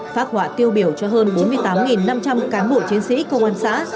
phát họa tiêu biểu cho hơn bốn mươi tám năm trăm linh cán bộ chiến sĩ công an xã